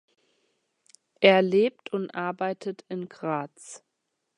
Er lebt und arbeitet in Graz.